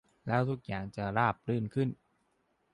แล้วทุกอย่างจะราบรื่นขึ้น